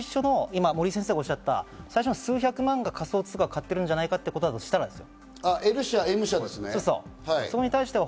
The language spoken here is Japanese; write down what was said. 森井先生が最初におっしゃった最初の数百万円が仮想通貨を買ってるんじゃないかとしたらです。